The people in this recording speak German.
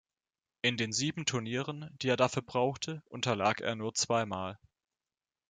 In den sieben Turnieren, die er dafür brauchte, unterlag er nur zweimal.